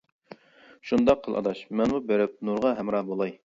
شۇنداق قىل ئاداش، مەنمۇ بېرىپ نۇرغا ھەمراھ بولاي.